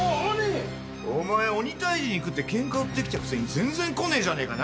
お前鬼退治に行くってケンカ売ってきたくせに全然来ねえじゃねえか。